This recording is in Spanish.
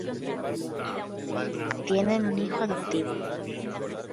Tienen un hijo adoptivo.